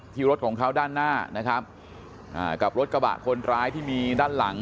รถของเขาด้านหน้านะครับอ่ากับรถกระบะคนร้ายที่มีด้านหลัง